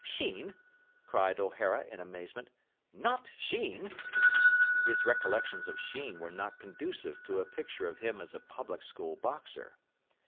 "Sheen?" cried O'Hara in amazement. "Not Sheen!"... His recollections of Sheen were not conducive to a picture of him as a public school boxer.